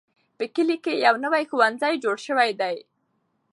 په کلي کې یو نوی ښوونځی جوړ شوی دی.